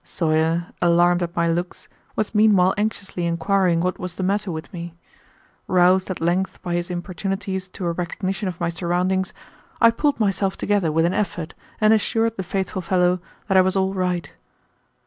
Sawyer, alarmed at my looks, was meanwhile anxiously inquiring what was the matter with me. Roused at length by his importunities to a recognition of my surroundings, I pulled myself together with an effort and assured the faithful fellow that I was all right.